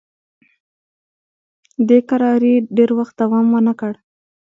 دې کراري ډېر وخت دوام ونه کړ.